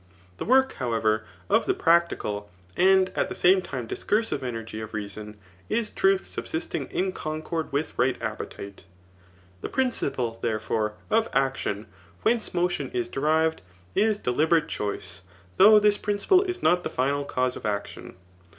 The work, however, of the practical, and at the same time discursive energy of reason, is truth subsisting in concord with right appetite. The principle, therefore, of action, whence motion is derived, is deliberate choice, though this principle is not the final cause of action.